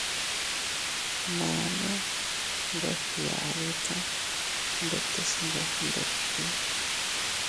Mane nwe fgiaduta ndetes nwe fgnditi.